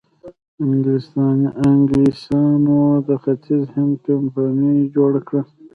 انګلیسانو د ختیځ هند کمپنۍ جوړه کړه.